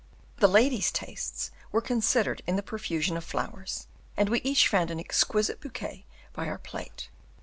The ladies' tastes were considered in the profusion of flowers, and we each found an exquisite bouquet by our plate.